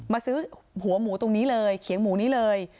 มาซื้อหัวหมูตรงนี้เลยเขียงหมูนี้เลย